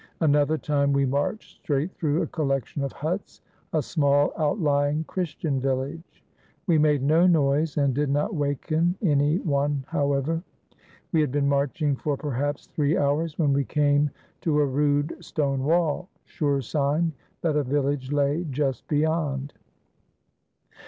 Another time, we marched straight through a collection of huts — a small outlying Chris tian village. We made no noise and did not waken any one, however. We had been marching for perhaps three hours, when we came to a rude stone wall, sure sign that a village lay just beyond.